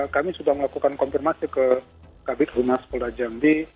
kami sudah melakukan konfirmasi ke kabinet rumah kapolda jambi